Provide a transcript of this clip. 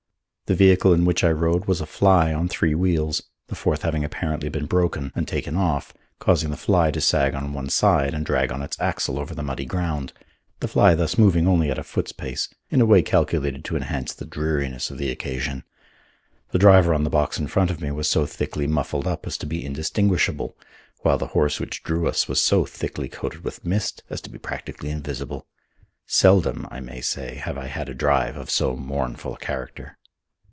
The vehicle in which I rode was a fly on three wheels, the fourth having apparently been broken and taken off, causing the fly to sag on one side and drag on its axle over the muddy ground, the fly thus moving only at a foot's pace in a way calculated to enhance the dreariness of the occasion. The driver on the box in front of me was so thickly muffled up as to be indistinguishable, while the horse which drew us was so thickly coated with mist as to be practically invisible. Seldom, I may say, have I had a drive of so mournful a character.